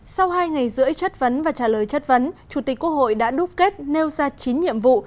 sau hai ngày rưỡi chất vấn và trả lời chất vấn chủ tịch quốc hội đã đúc kết nêu ra chín nhiệm vụ